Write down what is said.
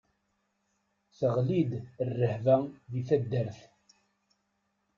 Teɣli-d rrehba di taddart.